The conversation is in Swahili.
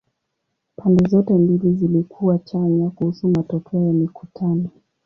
Pande zote mbili zilikuwa chanya kuhusu matokeo ya mikutano.